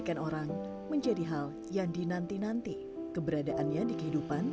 anaknya ini gak salah